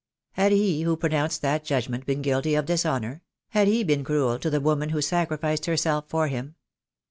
Had he who pronounced that judgment been guilty of dishonour — had he been cruel to the woman who sacrificed herself for him?